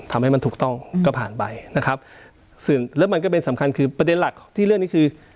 ทำให้มันถูกต้องก็ผ่านไปนะครับซึ่งแล้วมันก็เป็นสำคัญคือประเด็นหลักที่เรื่องนี้คือ